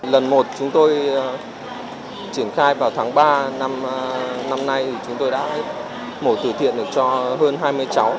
lần một chúng tôi triển khai vào tháng ba năm nay chúng tôi đã mổ tử thiện được cho hơn hai mươi cháu